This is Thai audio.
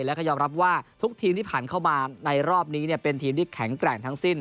แล้วก็ยอมรับว่าทุกทีมที่ผ่านเข้ามาในรอบนี้เป็นทีมที่แข็งแกร่งทั้งสิ้น